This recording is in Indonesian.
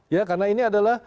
ya karena ini adalah